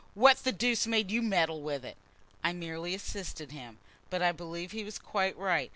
"What the deuce made you meddle with it?" "I merely assisted him. But I believe he was quite right.